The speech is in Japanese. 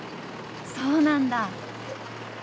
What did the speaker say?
そうなんだ。